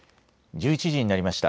１１時になりました。